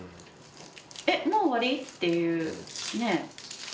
えっもう終わり？っていうねえ。